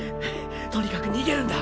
とにかく逃げるんだ。